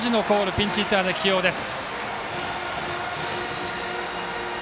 ピンチヒッターで起用です。